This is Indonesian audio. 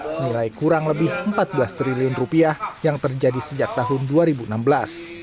senilai kurang lebih empat belas triliun rupiah yang terjadi sejak tahun ini